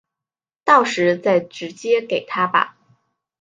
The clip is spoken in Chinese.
到时再直接给他吧